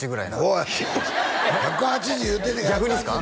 おい１８０言うてんねん逆にですか？